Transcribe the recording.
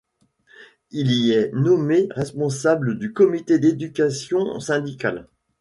Il y est nommé responsable du comité d'éducation syndicale.